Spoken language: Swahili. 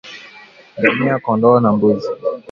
Ngamia kondoo na mbuzi